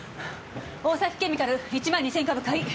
大崎ケミカル１万２０００株買い！